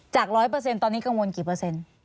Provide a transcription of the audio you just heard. ๑๐๐ตอนนี้กังวลกี่เปอร์เซ็นต์